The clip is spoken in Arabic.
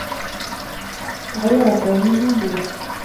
غيّر سامي الموضوع.